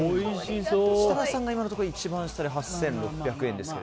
設楽さんが今のところ一番下で８６００円ですが。